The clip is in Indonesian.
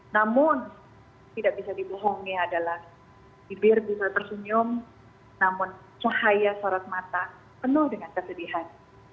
namun tidak bisa dibohongi adalah bibir bisa tersenyum namun cahaya sorot mata penuh dengan kesedihan